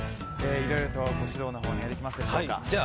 いろいろとご指導のほうお願いできますでしょうか。